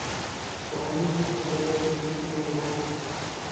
خو حامد دغه سکروټې په لوڅو ورغوو کې.